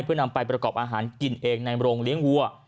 เพื่อนำไปประกอบอาหารกินเองในโรงเลี้ยงวัว